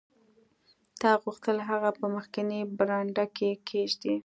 تا غوښتل هغه په مخکینۍ برنډه کې کیږدې